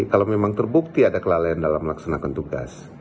kalau memang terbukti ada kelalaian dalam melaksanakan tugas